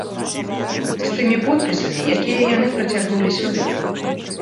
З тымі подпісамі, якія яны прыцягнулі сюды.